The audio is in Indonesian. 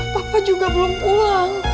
papa juga belom polang